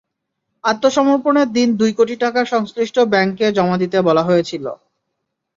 আত্মসমর্পণের দিন দুই কোটি টাকা সংশ্লিষ্ট ব্যাংকে জমা দিতে বলা হয়েছিল।